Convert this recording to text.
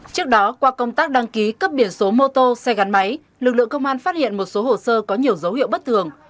trước đó qua công tác đăng ký cấp biển số mô tô xe gắn máy lực lượng công an phát hiện một số hồ sơ có nhiều dấu hiệu bất thường